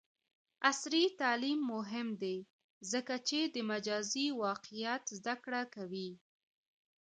عصري تعلیم مهم دی ځکه چې د مجازی واقعیت زدکړه کوي.